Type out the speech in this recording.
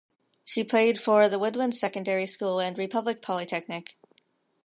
She played for the Woodlands Secondary School and Republic Polytechnic.